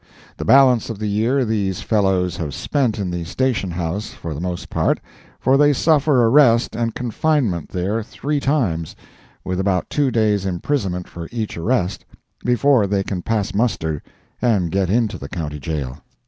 The balance of the year these fellows have spent in the stationhouse, for the most part, for they suffer arrest and confinement there three times, with about two days imprisonment for each arrest, before they can pass muster and get into the County Jail.